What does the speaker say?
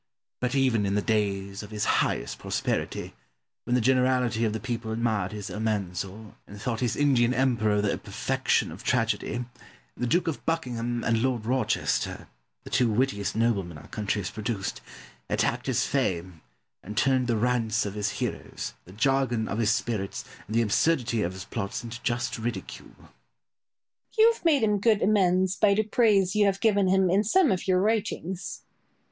But even in the days of his highest prosperity, when the generality of the people admired his Almanzor, and thought his Indian Emperor the perfection of tragedy, the Duke of Buckingham and Lord Rochester, the two wittiest noblemen our country has produced, attacked his fame, and turned the rants of his heroes, the jargon of his spirits, and the absurdity of his plots into just ridicule. Boileau. You have made him good amends by the praise you have given him in some of your writings.